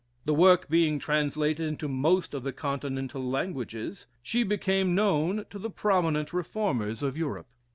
The work being translated into most of the continental languages, she became known to the prominent reformers of Europe.